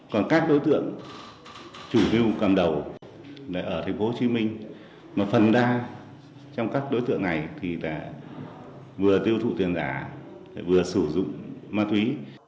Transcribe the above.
còn các đối tượng chủ mưu cầm đầu ở tp hcm mà phần đa trong các đối tượng này thì là vừa tiêu thụ tiền giả vừa sử dụng ma túy